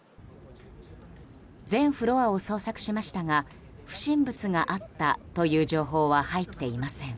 全フロアを捜索しましたが不審物があったという情報は入っていません。